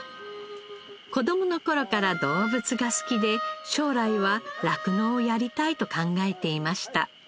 子供の頃から動物が好きで将来は酪農をやりたいと考えていました。